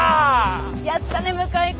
やったね向井君。